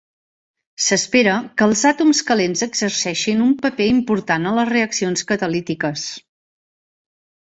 S'espera que els àtoms calents exerceixin un paper important a les reaccions catalítiques.